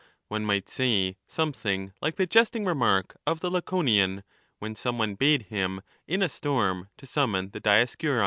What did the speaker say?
One might say something like the jesting remark' of the Laconian,'' when some one bade him in a storm to summon the Dioscuri.